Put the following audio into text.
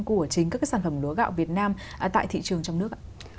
của chính các cái sản phẩm lúa gạo việt nam tại thị trường trong nước